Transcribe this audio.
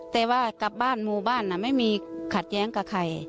แต่ว่ากลับบ้านหมู่บ้านไม่มีขัดแย้งกับใคร